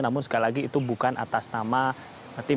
namun sekali lagi itu bukan atas nama tim